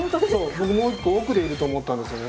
僕もう一個奥でいると思ったんですよね。